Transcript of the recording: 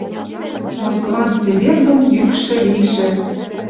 Москван цевер дон йӱкшӹ лишӹ